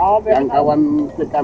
maher sangat antusias